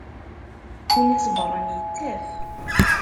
Win iṣebbren, yettaf.